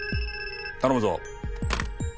頼むぞ。